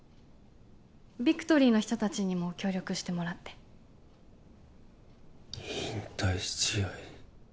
ビクトリーの人達にも協力してもらって引退試合